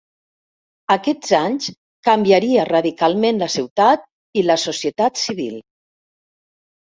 Aquests anys canviaria radicalment la ciutat i la societat civil.